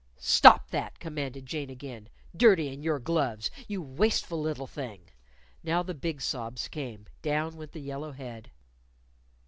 "Stop that!" commanded Jane, again, "Dirtyin' your gloves, you wasteful little thing!" Now the big sobs came. Down went the yellow head.